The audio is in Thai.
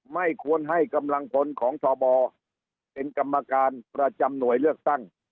ไม่ควรให้กำลังพลของทบเป็นกรรมการประจำหน่วยเลือกตั้ง